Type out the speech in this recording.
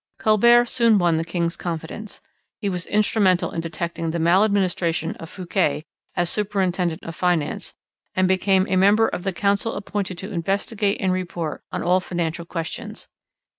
Colbert soon won the king's confidence. He was instrumental in detecting the maladministration of Fouquet as superintendent of Finance, and became a member of the council appointed to investigate and report on all financial questions.